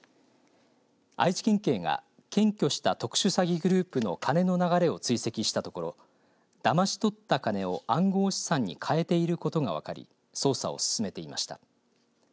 愛知県警が検挙した特殊詐欺グループの金の流れを追跡したところだまし取った金を暗号資産に換えていることが分かり捜査を進めていました。